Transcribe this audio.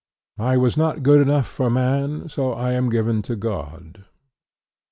"I was not good enough for man, And so am given to God."